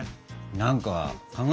何か考える？